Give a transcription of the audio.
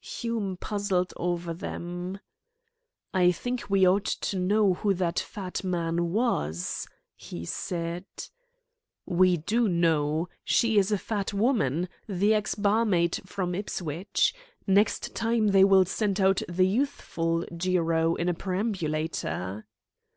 Hume puzzled over them. "I think we ought to know who that fat man was," he said. "We do know. She is a fat woman, the ex barmaid from Ipswich. Next time, they will send out the youthful Jiro in a perambulator."